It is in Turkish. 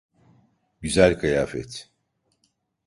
Güzel kıyafet.